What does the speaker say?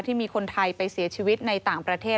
ที่มีคนไทยไปเสียชีวิตในต่างประเทศ